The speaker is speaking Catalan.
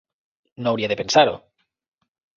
No hauria de pensar-ho.